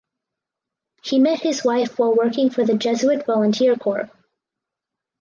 He met his wife while working for the Jesuit Volunteer Corps.